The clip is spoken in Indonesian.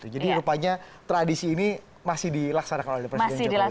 jadi rupanya tradisi ini masih dilaksanakan oleh presiden jokowi